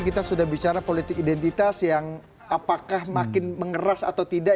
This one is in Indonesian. kita sudah bicara politik identitas yang apakah makin mengeras atau tidak